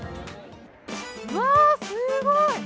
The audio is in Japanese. うわ、すごい。